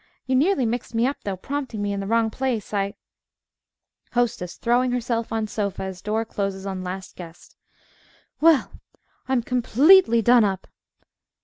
You nearly mixed me up, though, prompting me in the wrong place; I HOSTESS (throwing herself on sofa as door closes on last guest) Well, I'm completely done up!